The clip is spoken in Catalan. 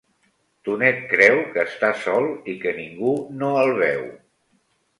Tonet creu que està sol i que ningú no el veu.